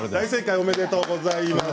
おめでとうございます。